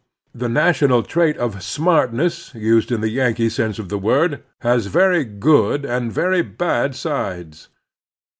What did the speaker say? The national trait of *' smartness, *' used in the Yankee sense of the word, has very good and very bad sides.